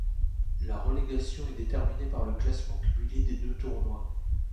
La relégation est déterminée par le classement cumulé des deux tournois.